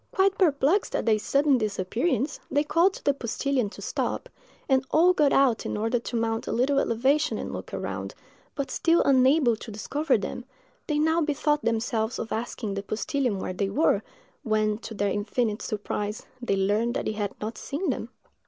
Quite perplexed at their sudden disappearance, they called to the postillion to stop, and all got out in order to mount a little elevation and look around; but still unable to discover them, they now bethought themselves of asking the postillion where they were, when, to their infinite surprise, they learned that he had not seen them.